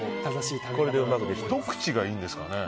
ひと口がいいんですかね？